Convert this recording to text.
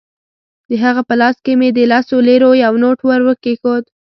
د هغه په لاس کې مې د لسو لیرو یو نوټ ورکېښود.